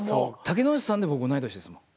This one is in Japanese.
竹野内さんで僕同い年ですもん。